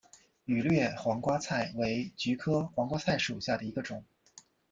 羽裂黄瓜菜为菊科黄瓜菜属下的一个种。